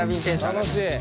楽しい。